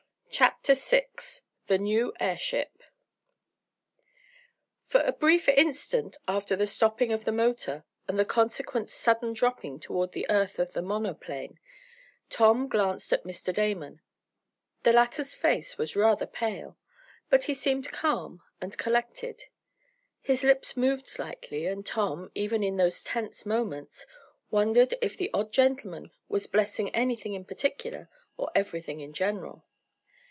CHAPTER VI THE NEW AIRSHIP For a brief instant after the stopping of the motor, and the consequent sudden dropping toward the earth of the monoplane, Tom glanced at Mr. Damon. The latter's face was rather pale, but he seemed calm and collected. His lips moved slightly, and Tom, even in those tense moments, wondered if the odd gentleman was blessing anything in particular, or everything in general.